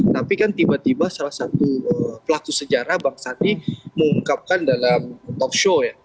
tapi kan tiba tiba salah satu pelaku sejarah bang sadi mengungkapkan dalam talkshow ya